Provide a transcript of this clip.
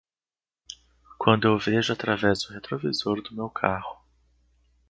Quando eu vejo através do retrovisor do meu carro.